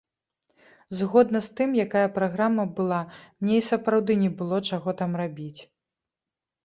Згодна з тым, якая праграма было, мне і сапраўды не было чаго там рабіць.